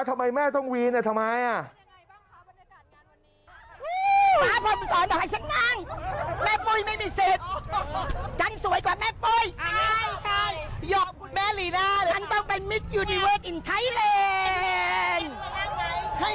ทำไมแม่ต้องวีนทำไมอ่ะ